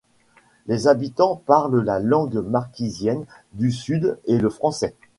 Les habitants parlent la langue marquisienne du sud et le français.